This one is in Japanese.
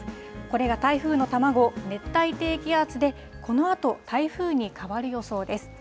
これが台風の卵、熱帯低気圧で、このあと、台風に変わる予想です。